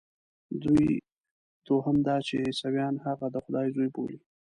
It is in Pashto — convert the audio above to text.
دوهم دا چې عیسویان هغه د خدای زوی بولي.